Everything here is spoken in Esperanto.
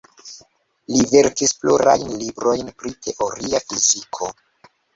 Li verkis plurajn librojn pri teoria fiziko.